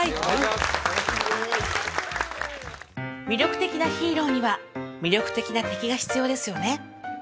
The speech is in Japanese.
魅力的なヒーローには魅力的な敵が必要ですよね？